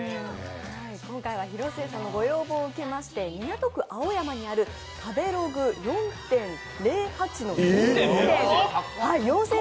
今回は、広末さんのご要望を受けまして、港区青山にある食べログ４．８の人気店、４０００